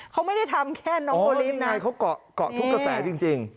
เขาไม่ได้ทำแค่น้องโอลินไงเขาเกาะเกาะทุกกระแสจริง